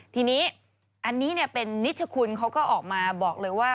ทีนี้อันนี้เป็นนิชคุณเขาก็ออกมาบอกเลยว่า